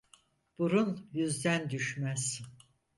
Burun yüzden düşmez.